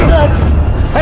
ini apaan sih